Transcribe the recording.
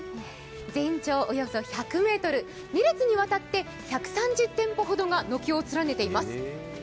全長およそ１００ｍ、２列にわたって１３０店舗ほどが軒を連ねています。